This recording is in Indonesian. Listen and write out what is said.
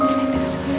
aku mau ke sana